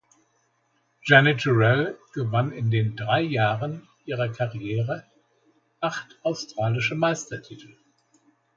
Jenny Turrall gewann in den drei Jahren ihrer Karriere acht australische Meistertitel.